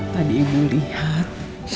tadi ibu lihat